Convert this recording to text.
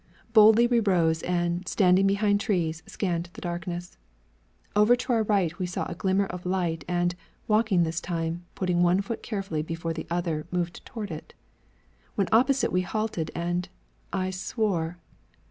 Boldly we rose and, standing behind trees, scanned the darkness. Over to our right we saw a glimmer of light and, walking this time, putting one foot carefully before the other, moved toward it. When opposite we halted and I swore.